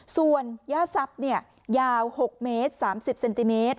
ส่วนย่าซับเนี่ยยาวหกเมตรสามสิบเซนติเมตร